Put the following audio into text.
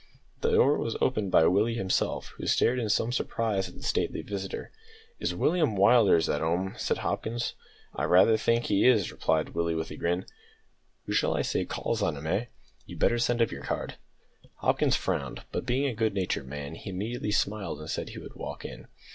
The door was opened by Willie himself, who stared in some surprise at the stately visitor. "Is William Willders at 'ome?" said Hopkins. "I rather think he is," replied Willie, with a grin; "who shall I say calls on him eh? You'd better send up your card." Hopkins frowned, but, being a good natured man, he immediately smiled, and said he would walk in.